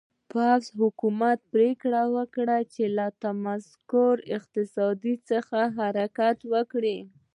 پوځي حکومت پرېکړه وکړه چې له متمرکز اقتصاد څخه حرکت وکړي.